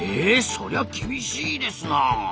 そりゃ厳しいですなあ。